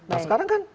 nah sekarang kan